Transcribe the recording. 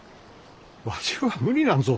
わしは無理なんぞ。